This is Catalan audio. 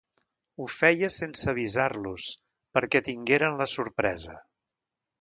Ho feia sense avisar-los, perquè tingueren la sorpresa...